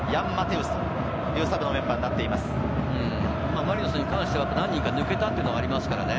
マリノスに関しては、何人か抜けたというのがありますからね。